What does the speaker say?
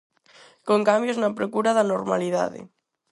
Con cambios na procura da normalidade.